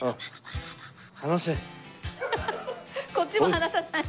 ハハハこっちも離さない。